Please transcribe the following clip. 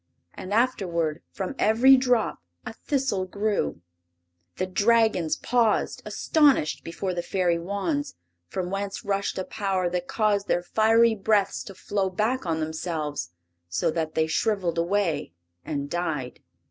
And afterward from every drop a thistle grew. The Dragons paused astonished before the Fairy wands, from whence rushed a power that caused their fiery breaths to flow back on themselves so that they shriveled away and died.